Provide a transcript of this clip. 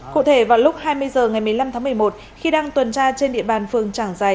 cụ thể vào lúc hai mươi h ngày một mươi năm tháng một mươi một khi đang tuần tra trên địa bàn phường trảng giài